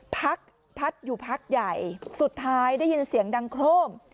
พักพักอยู่พักใหญ่สุดท้ายได้ยินเสียงดังโครม